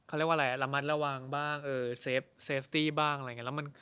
เขาเรียกว่าอะไรระมัดระวังบ้างเซฟตี้บ้างอะไรอย่างนี้